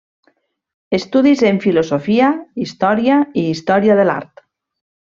Estudis en filosofia, història i història de l'art.